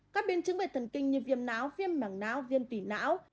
các biên chứng về thần kinh như viêm não viêm mảng não viêm tủy não